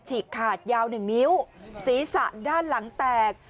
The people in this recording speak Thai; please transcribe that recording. ฉีกขาดยาว๑นิ้วศีรษะด้านหลังแตก